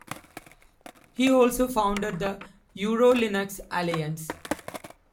He also founded the Eurolinux Alliance.